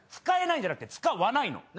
使えないんじゃなくて使わないの。